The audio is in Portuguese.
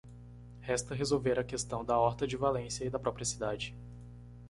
Resta resolver a questão da Horta de Valência e da própria cidade.